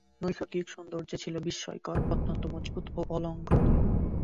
নৈসর্গিক সৌন্দর্যে ছিল বিস্ময়কর, অত্যন্ত মজবুত ও অলংঘনীয়।